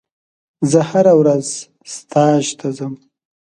زه هره ورځ ستاژ ته ځم.